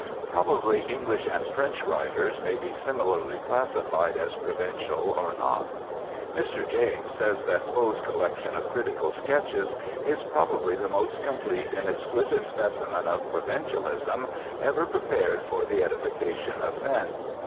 Probably English and French writers may be similarly classified as provincial or not. Mr. James says that Poe's collection of critical sketches "is probably the most complete and exquisite specimen of provincialism ever prepared for the edification of men."